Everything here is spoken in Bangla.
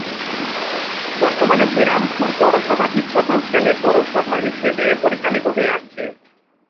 বর্তমানে বিরামপুর পৌরসভাটি প্রথম শ্রেণির পৌরসভা হিসাবে পরিচালিত হয়ে আসছে।